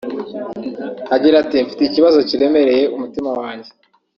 Agira ati “Mfite ikibazo kiremereye umutima wanjye